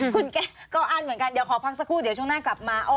คุณแกก็อั้นเหมือนกันเดี๋ยวขอพักสักครู่เดี๋ยวช่วงหน้ากลับมา